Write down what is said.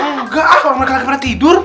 enggak kalau mereka lagi pada tidur